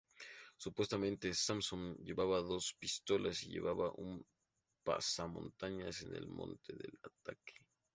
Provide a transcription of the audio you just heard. Supuestamente, Samson llevaba dos pistolas y llevaba un pasamontañas en el momento del ataque.